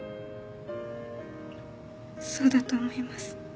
そうだと思います